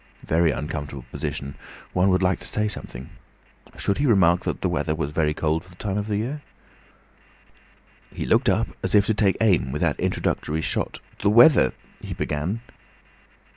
Very uncomfortable position! One would like to say something. Should he remark that the weather was very cold for the time of year? He looked up as if to take aim with that introductory shot. "The weather—" he began.